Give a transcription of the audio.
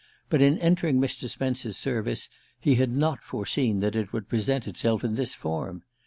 But in entering Mr. Spence's service he had not foreseen that it would present itself in this form.